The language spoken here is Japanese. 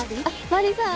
まりさん。